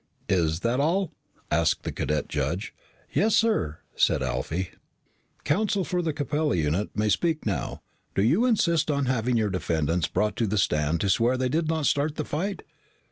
"Is that all?" asked the cadet judge. "Yes, sir," said Alfie. "Counsel for the Capella unit may speak now. Do you insist on having your defendants brought to the stand to swear they did not start the fight?"